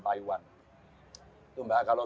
taiwan itu tidak kalau